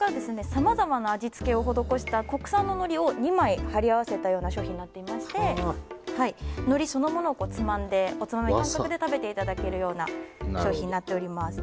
様々な味付けを施した国産の海苔を２枚貼り合わせたような商品になっていまして海苔そのものをつまんでおつまみ感覚で食べていただけるような商品になっております